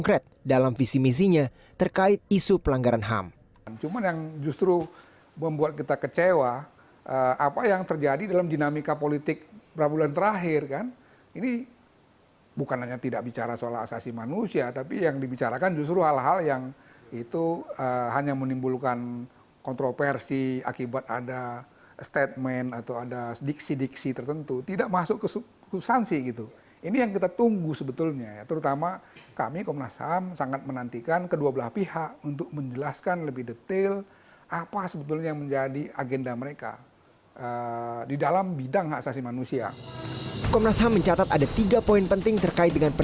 kedua pasangan calon presiden dan wakil presiden